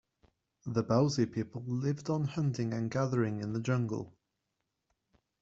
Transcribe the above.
The Bauzi people lived on hunting and gathering in the jungle.